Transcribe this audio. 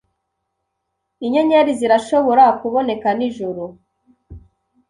Inyenyeri zirashobora kuboneka nijoro